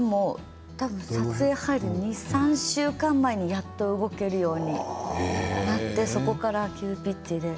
撮影に入る２、３週間前にやっと動けるようになってそこから急ピッチで。